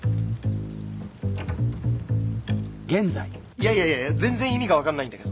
いやいやいや全然意味が分かんないんだけど。